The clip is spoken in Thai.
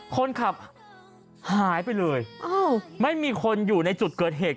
คนขับหายไปเลยไม่มีคนอยู่ในจุดเกิดเหตุ